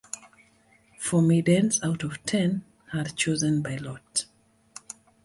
Four maidens out of the ten are chosen by lot.